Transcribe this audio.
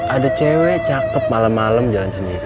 ada cewek cakep malam malam jalan sendiri